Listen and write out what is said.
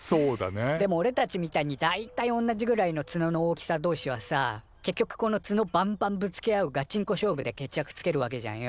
でもおれたちみたいに大体おんなじぐらいのツノの大きさ同士はさ結局このツノバンバンぶつけ合うガチンコ勝負で決着つけるわけじゃんよ。